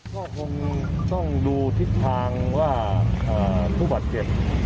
ก็คงต้องดูทิศทางว่าผู้บาดเจ็บ